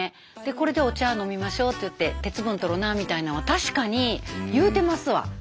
これでお茶飲みましょうっていって鉄分とろうなみたいなんは確かに言うてますわ。